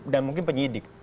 dan mungkin penyidik